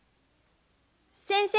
先生。